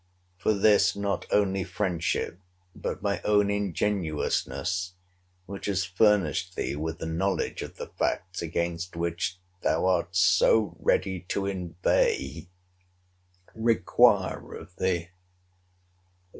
For this, not only friendship, but my own ingenuousness, which has furnished thee with the knowledge of the facts against which thou art so ready to inveigh, require of thee.